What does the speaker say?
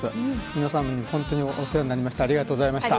皆さまに本当にお世話になりました。